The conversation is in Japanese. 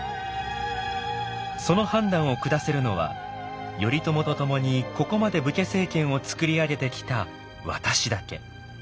その判断を下せるのは頼朝と共にここまで武家政権を作り上げてきた私だけ。